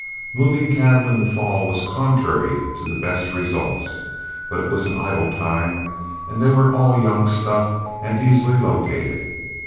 Moving cattle in the fall was contrary to the best results, but it was an idle time, and they were all young stuff and easily located.